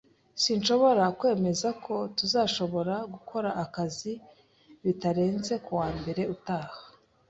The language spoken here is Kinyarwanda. Sinshobora kwemeza ko tuzashobora gukora akazi bitarenze kuwa mbere utaha